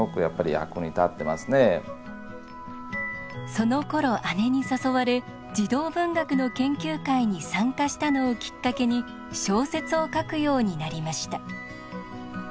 そのころ姉に誘われ児童文学の研究会に参加したのをきっかけに小説を書くようになりました。